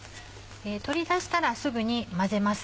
取り出したらすぐに混ぜます。